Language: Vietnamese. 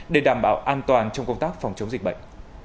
để đảm bảo an toàn trong công tác phòng chống dịch bệnh